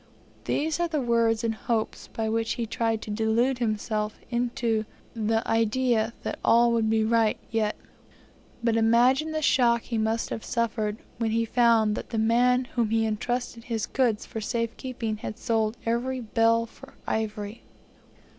These are the words and hopes by which he tried to delude himself into the idea that all would be right yet; but imagine the shock he must have suffered, when he found that the man to whom was entrusted his goods for safe keeping had sold every bale for ivory.